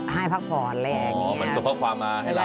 ห้ายพักผ่อนอะไรแบบนี้อ๋อเหมือนสมภาพความหาให้เรา